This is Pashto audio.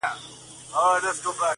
o د ځناورو په خوني ځنگل کي.